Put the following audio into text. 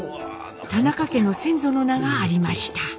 田中家の先祖の名がありました。